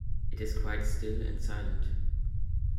It is quite still and silent.